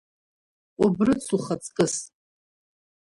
Кәыбрыц ухаҵкыс!